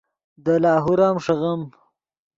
دے لاہور ام ݰیغیم